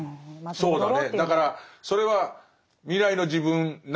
そうだね。